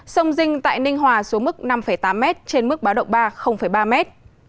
sông dinh tại ninh hòa xuống mức năm tám mét trên mức báo động ba ba mét